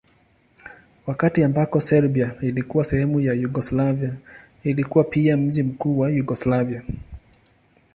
Wakati ambako Serbia ilikuwa sehemu ya Yugoslavia ilikuwa pia mji mkuu wa Yugoslavia.